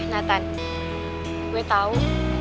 nathan gue tau